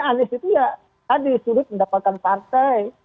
anies itu ya tadi sudut mendapatkan partai